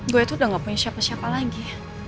gue itu udah gak punya siapa siapa lagi